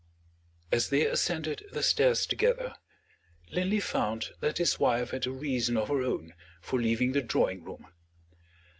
As they ascended the stairs together, Linley found that his wife had a reason of her own for leaving the drawing room.